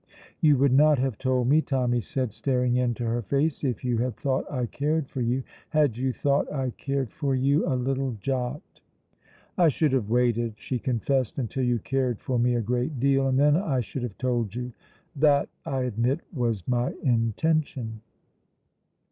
"You would not have told me," Tommy said, staring into her face, "if you had thought I cared for you. Had you thought I cared for you a little jot " "I should have waited," she confessed, "until you cared for me a great deal, and then I should have told you. That, I admit, was my intention."